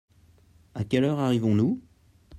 À quelle heure arrivons-nous ?